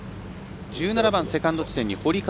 １７番セカンド地点に堀川。